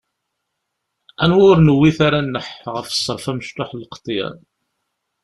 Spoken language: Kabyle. Anwa ur newwit ara nneḥ ɣef ṣṣerf amecṭuḥ n lqeḍyan!